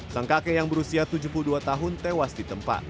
sang kakek yang berusia tujuh puluh dua tahun tewas di tempat